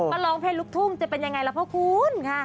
ก็ร้องเพลงลูกทุ่งจะเป็นยังไงล่ะพ่อคุณค่ะ